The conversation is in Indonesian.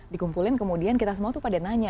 dikumpulin kemudian kita semua tuh pada nanya